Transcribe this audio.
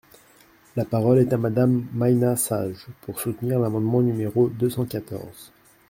La parole est à Madame Maina Sage, pour soutenir l’amendement numéro deux cent quatorze.